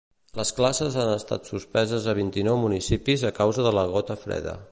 Les classes han estat suspeses a vint-i-nou municipis a causa de la gota freda.